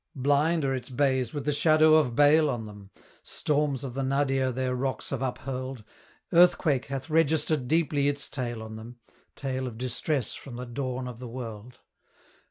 Blind are its bays with the shadow of bale on them; Storms of the nadir their rocks have uphurled; Earthquake hath registered deeply its tale on them Tale of distress from the dawn of the world!